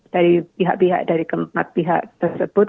dari pihak pihak dari keempat pihak tersebut